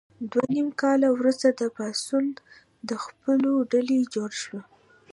دوه نیم کاله وروسته د پاڅون د ځپلو ډلې جوړې شوې.